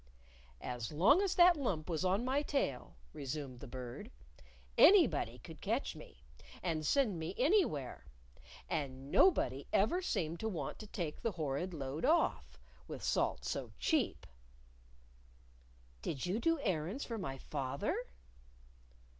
"As long as that lump was on my tail," resumed the Bird, "anybody could catch me, and send me anywhere. And nobody ever seemed to want to take the horrid load off with salt so cheap." "Did you do errands for my fath er?"